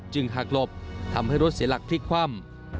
หากหลบทำให้รถเสียหลักพลิกคว่ำ